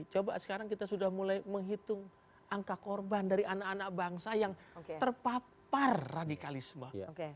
coba sekarang kita sudah mulai menghitung angka korban dari anak anak bangsa yang terpapar radikalisme